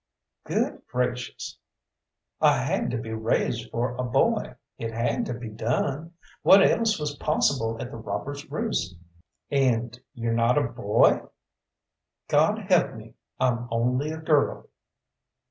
"Good gracious!" "I had to be raised for a boy it had to be done. What else was possible at the Robbers' Roost?" "And you're not a boy!" "God help me, I'm only a girl."